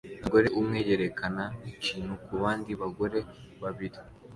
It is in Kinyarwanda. Umugore umwe yerekana ikintu kubandi bagore babiri